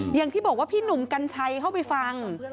อย่างที่บอกว่าพี่หนุ่มกัญชัยเข้าไปฟัง